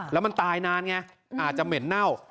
แล้วมันตายนานไงอาจจะเหม็นเน่า